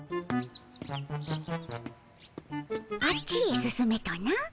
あっちへ進めとな？